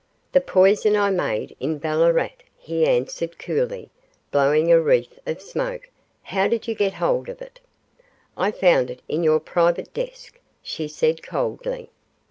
'The poison I made in Ballarat,' he answered, coolly, blowing a wreath of smoke; 'how did you get hold of it?' 'I found it in your private desk,' she said, coldly.